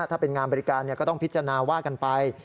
ถ้าเป็นงานบริการก็ต้องพิจารณาว่ากันไป